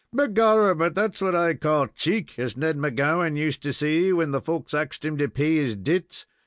"Begorrah, but that's what I call cheek, as Ned McGowan used to say when the folks axed him to pay his debts.